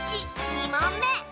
２もんめ。